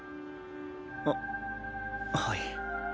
あっはい。